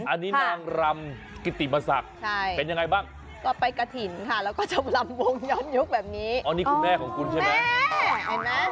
อันนี้นางรำกิติมาสักเป็นยังไงบ้างก็ไปกะถินค่ะแล้วก็จะรำวงย้อนยุคแบบนี้อ้อนี่คุณแม่ของกุ้นใช่มั้ยแม่ไอ้แม่